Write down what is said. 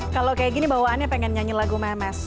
kalau kayak gini bawaannya pengen nyanyi lagu memes